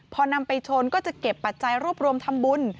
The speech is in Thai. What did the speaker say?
พอนำไปชนก็จะเก็บปัจจัยรวบรวมทำบุญ